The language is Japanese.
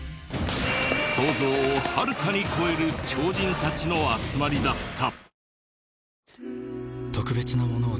想像をはるかに超える超人たちの集まりだった！